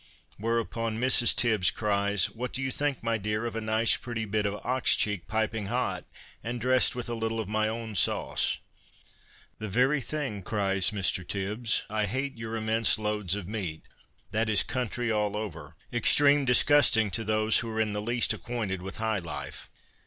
Whereupon Mrs. Tibbs cries, ' What do you think, my dear, of a nice pretty bit of ox cheek, piping hot, and dressed with a little of my own sauce ?'' The very thing !' cries Mr. Tibbs. ' I hate your im mense loads of meat ; that is country all over ; extreme disgusting to those who are in the least acquainted with high life.'